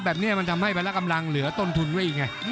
แบบนี้มันทำให้พละกำลังเหลือต้นทุนไว้อีกไง